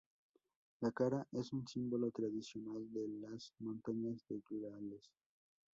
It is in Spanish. La cabra es un símbolo tradicional de las montañas de Gales.